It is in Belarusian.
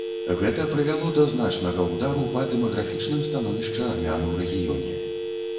Гэта прывяло да значнага ўдару па дэмаграфічным становішчы армян у рэгіёне.